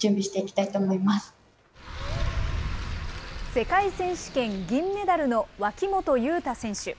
世界選手権銀メダルの脇本雄太選手。